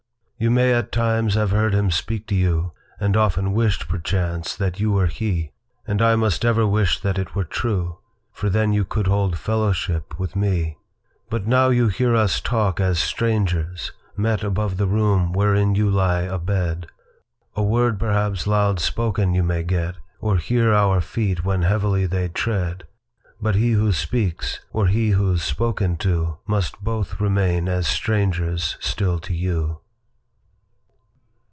You may at times have heard him speak to you, And often wished perchance that you were he; And I must ever wish that it were true, For then you could hold fellowship with me:But now you hear us talk as strangers, metAbove the room wherein you lie abed;A word perhaps loud spoken you may get, Or hear our feet when heavily they tread; But he who speaks, or he who's spoken to, Must both remain as strangers still to you.